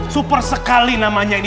super sekali namanya ini